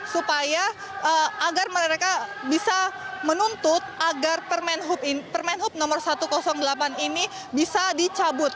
supaya agar mereka bisa menuntut agar permenhub nomor satu ratus delapan ini bisa dicabut